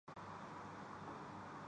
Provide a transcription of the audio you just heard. Yasir Arafat کی اہلیہ مسیحی ہیں۔